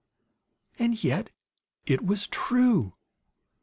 And yet it was true.